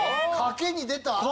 賭けに出た？